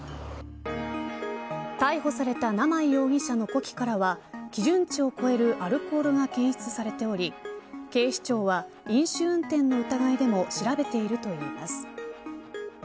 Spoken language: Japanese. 逮捕された生井容疑者の呼気からは基準値を超えるアルコールが検出されており警視庁は、飲酒運転の疑いでも調べているといいます。